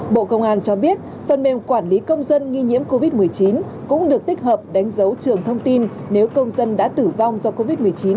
bộ công an cho biết phần mềm quản lý công dân nghi nhiễm covid một mươi chín cũng được tích hợp đánh dấu trường thông tin nếu công dân đã tử vong do covid một mươi chín